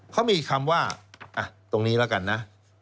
เขามีคำว่าตรงนี้แล้วกันนะ